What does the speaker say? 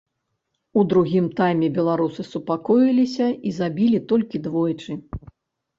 У другім тайме беларусы супакоіліся і забілі толькі двойчы.